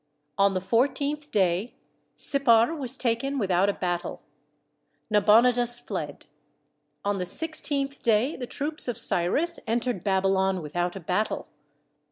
On the fourteenth day Sip par was taken without a battle. Nabonidus fled. On the sixteenth day the troops of Cyrus entered Babylon without a battle.